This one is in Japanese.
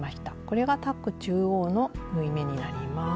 これがタック中央の縫い目になります。